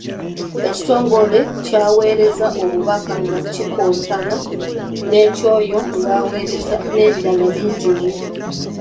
Ekitongole ky'aweereza obubaka nga kikontana n’ekyoyo gw’aweereza n’ebirala bingi nnyo.